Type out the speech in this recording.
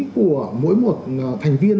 của mỗi một thành viên